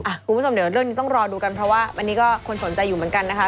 คุณผู้ชมเดี๋ยวเรื่องนี้ต้องรอดูกันเพราะว่าอันนี้ก็คนสนใจอยู่เหมือนกันนะคะ